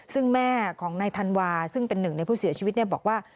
ซึ่งแม่ของนายธันวาซึ่งเป็นหนึ่งในผู้เสียชีวิตบอกว่า